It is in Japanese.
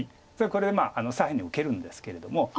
これで左辺に受けるんですけれども。